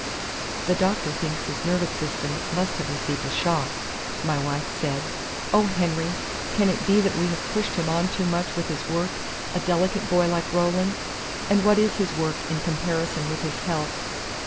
"The doctor thinks his nervous system must have received a shock," my wife said. "Oh, Henry, can it be that we have pushed him on too much with his work a delicate boy like Roland? And what is his work in comparison with his health?